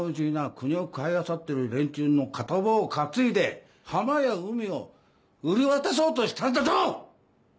国を買いあさってる連中の片棒を担いで浜や海を売り渡そうとしたんだぞ‼